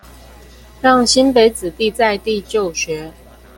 讓新北子弟在地就學